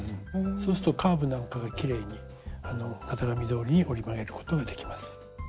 そうするとカーブなんかがきれいに型紙どおりに折り曲げることができます。